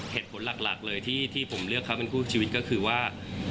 เหตุผลหลักเลยที่ผมเลือกเขาเป็นคู่ชีวิตก็คือว่า